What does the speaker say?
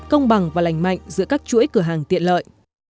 công bằng và lành mạnh giữa các chuỗi cửa hàng tiện lợi